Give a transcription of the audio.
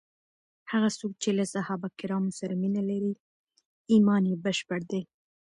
هغه څوک چې له صحابه کرامو سره مینه لري، ایمان یې بشپړ دی.